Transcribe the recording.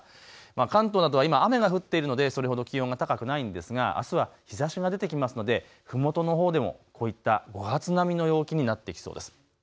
関東などは今、雨が降っているのでそれほど気温が高くないんですがあすは日ざしが出てきますのでふもとのほうでもこういった５月並みの陽気になってきそうです。